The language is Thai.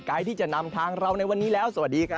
ที่จะนำทางเราในวันนี้แล้วสวัสดีครับ